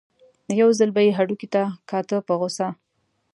یو ځل به یې هډوکي ته کاته په غوسه.